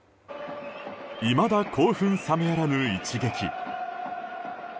いまだ興奮冷めやらぬ一撃。